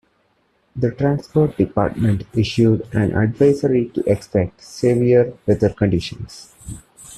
The Transport Department issued an advisory to expect severe weather conditions.